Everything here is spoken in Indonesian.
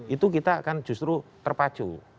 itu kita akan justru terpacu